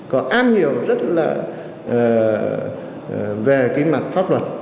có am hiểu rất là về cái mặt pháp luật